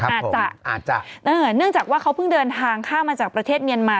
อาจจะอาจจะเนื่องจากว่าเขาเพิ่งเดินทางข้ามมาจากประเทศเมียนมา